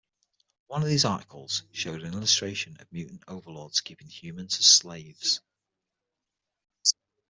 One of these articles showed an illustration of mutant overlords keeping humans as slaves.